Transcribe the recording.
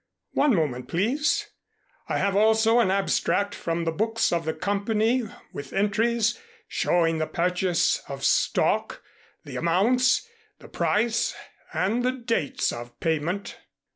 "One moment, please. I have also an abstract from the books of the company with entries showing the purchase of stock, the amounts, the price and the dates of payment."